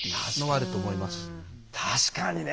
確かにね。